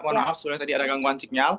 mohon maaf sebenarnya tadi ada gangguan signal